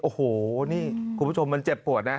โอ้โหนี่คุณผู้ชมมันเจ็บปวดนะ